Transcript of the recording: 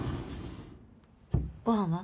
ご飯は？